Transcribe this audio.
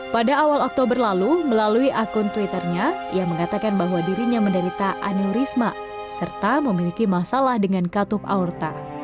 pada awal oktober lalu melalui akun twitternya ia mengatakan bahwa dirinya menderita aneurisma serta memiliki masalah dengan katup aorta